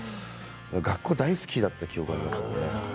学校大好きだった記憶がありますね。